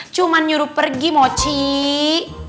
cuman nyuruh pergi mau cik